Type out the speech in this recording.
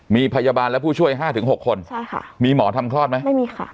มีพยาบาลและผู้ช่วยห้าถึงหกคนใช่ค่ะมีหมอทำคลอดไหมไม่มีค่ะ